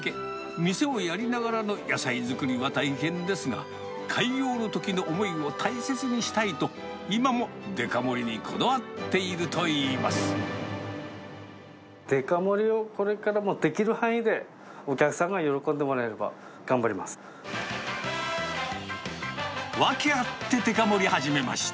店をやりながらの野菜作りは大変ですが、開業のときの思いを大切にしたいと、今もデカ盛りにこだわっていデカ盛りをこれからも、できる範囲で、ワケあってデカ盛り始めました！